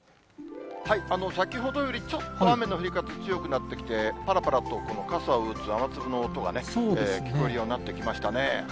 先ほどよりちょっと雨の降り方強くなってきて、ぱらぱらとこの傘を打つ雨粒の音が、聞こえるようになってきましたね。